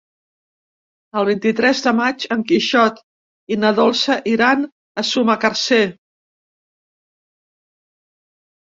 El vint-i-tres de maig en Quixot i na Dolça iran a Sumacàrcer.